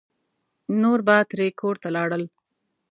نور به ترې کور ته لاړل.